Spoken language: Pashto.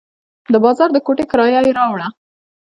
د بازار د کوټې کرایه یې راوړه.